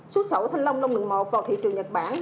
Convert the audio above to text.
xuất khẩu thanh lòng ld một vào thị trường nhật bản